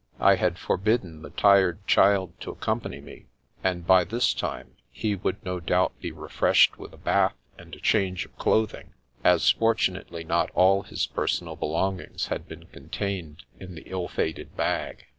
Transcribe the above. I had forbidden the tired child to accompany me, and by this time he would no doubt be refreshed with a bath and a change of clothing, as, fortunately, not all his personal belong* ings had been contained in the ill fated bag.